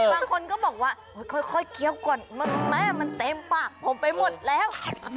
บางคนก็บอกว่าค่อยเคี้ยวก่อนแม่มันเต็มปากผมไปหมดแล้ว